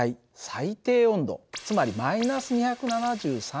つまり−２７３